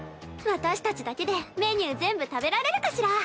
私たちだけでメニュー全部食べられるかしら？